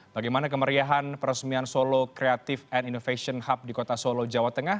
bagaimana kemeriahan peresmian solo creative and innovation hub di kota solo jawa tengah